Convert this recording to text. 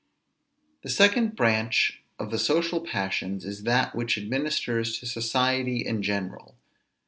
The second branch of the social passions is that which administers to society in general.